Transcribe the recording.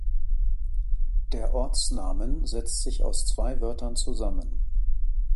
Der Ortsnamen setzt sich aus zwei Wörtern zusammen.